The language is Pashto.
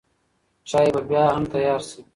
چای به بیا هم تیار شي.